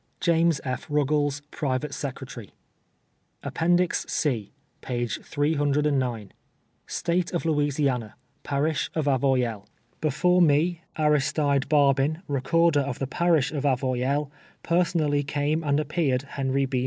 James F. Rucules, Private Secretary. C— r:^e 309. State of Louisiana : I'arish of Avoyelles. Before me, Aristide Barl)in, Recorder of the parish of Avoy elles, personally came and appeared Henry B.